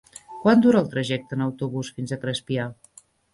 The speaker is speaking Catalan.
Quant dura el trajecte en autobús fins a Crespià?